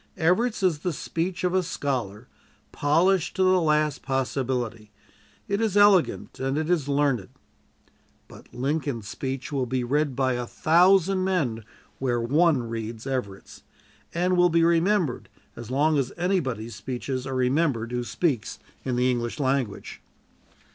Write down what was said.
Everett's is the speech of a scholar, polished to the last possibility. It is elegant, and it is learned; but Lincoln's speech will be read by a thousand men where one reads Everett's, and will be remembered as long as anybody's speeches are remembered who speaks in the English language."